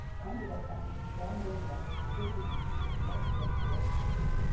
kandi bakamburwa ibyangombwa ku buryo guhindukira bidashoboka